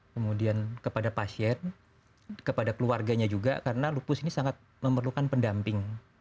kemudian kepada pasien kepada keluarganya juga karena lupus ini sangat memerlukan pendamping